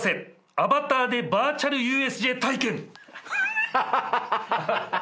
アバターでバーチャルＵＳＪ体験」ハハハ。